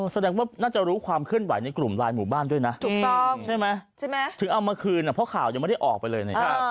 แสดงว่าน่าจะรู้ความเคลื่อนไหวในกลุ่มไลน์หมู่บ้านด้วยนะถึงเอามาคืนเพราะข่าวยังไม่ได้ออกไปเลย